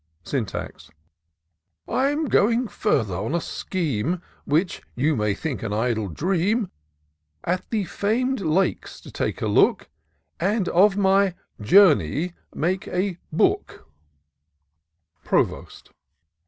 Syntax. " I'm going ftirther, on a scheme. Which you may think an idle dream ; At the fam'd Lakes to take a look. And of my Journey make a Book'' Provost.